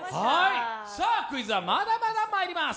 クイズはまだまだ、まいります。